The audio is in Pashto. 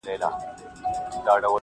• زموږ په ناړو د کلو رنځور جوړیږي -